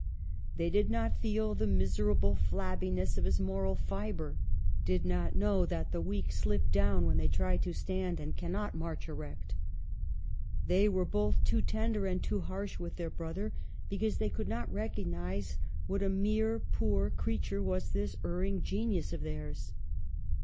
They did not feel the miserable flabbiness of his moral fibre ; did not know that the weak slip down when they try to stand, and cannot march erect. They were both too tender and too harsh with their brother, because they could not recognize what a mere, poor creature was this erring genius of theirs.